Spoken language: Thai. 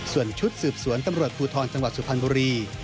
ส่วนชุดสืบสวนตำรวจภูทรจังหวัดสุพรรณบุรี